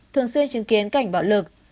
thường xuyên chứng kiến cảnh bạo lực